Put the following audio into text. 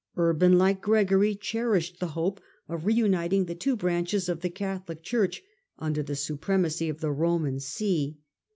Urban, like Gregory, cherished the hope of reuniting the two branches of the Catholic Church under the su premacy of the Boman see.